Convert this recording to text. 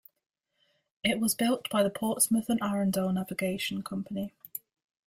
It was built by the Portsmouth and Arundel Navigation company.